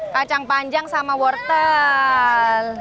kacang panjang sama wortel